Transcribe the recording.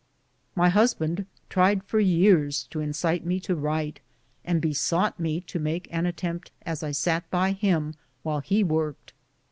My husband tried for years to incite me to write, and besought me to make an attempt as I sat by him while he worked.